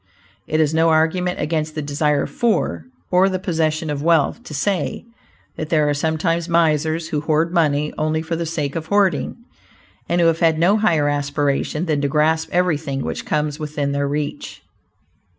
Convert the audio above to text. It is no argument against the desire for, or the possession of wealth, to say that there are sometimes misers who hoard money only for the sake of hoarding and who have no higher aspiration than to grasp everything which comes within their reach.